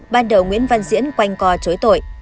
ban đầu nguyễn văn diễn quanh co chối tội